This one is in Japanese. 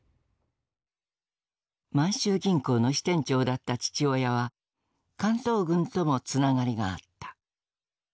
満州銀行の支店長だった父親は関東軍ともつながりがあった。